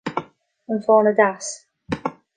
An fáinne deas